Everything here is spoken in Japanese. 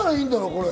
これ。